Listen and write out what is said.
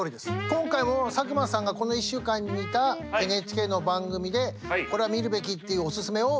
今回も佐久間さんがこの１週間に見たＮＨＫの番組でこれは見るべきっていうオススメを。